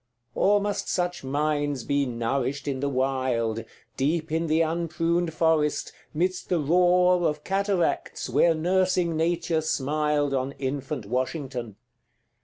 Or must such minds be nourished in the wild, Deep in the unpruned forest, midst the roar Of cataracts, where nursing nature smiled On infant Washington?